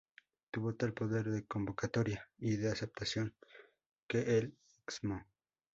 Tuvo tal poder de convocatoria y de aceptación, que el Excmo.